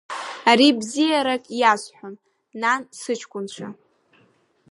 Ари бзиарак иазҳәам, нан сыҷкәынцәа.